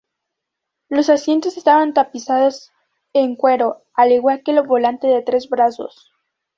Los asientos están tapizados en cuero, al igual que el volante de tres brazos.